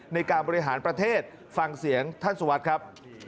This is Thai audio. ในการบริหารประเทศฟังเสียงท่านสุวัสดิ์ครับ